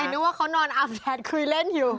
นึกว่าเขานอนอาบแดดคุยเล่นอยู่